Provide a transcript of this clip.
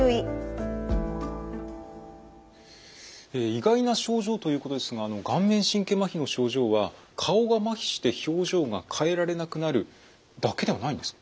意外な症状ということですが顔面神経まひの症状は顔がまひして表情が変えられなくなるだけではないんですか？